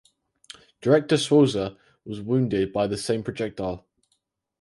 Director Souza was wounded by the same projectile.